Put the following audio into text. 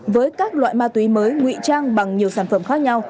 với các loại ma túy mới nguy trang bằng nhiều sản phẩm khác nhau